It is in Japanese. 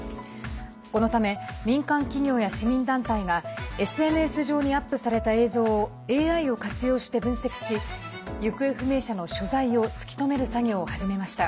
このため、民間企業や市民団体がＳＮＳ上にアップされた映像をＡＩを活用して分析し行方不明者の所在を突き止める作業を始めました。